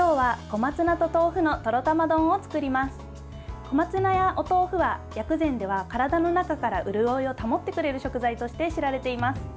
小松菜やお豆腐は薬膳では、体の中からうるおいを保ってくれる食材として知られています。